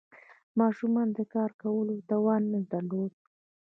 ماشومانو د کار کولو توان نه درلود.